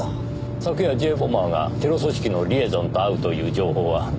昨夜Ｊ・ボマーがテロ組織のリエゾンと会うという情報はどこから？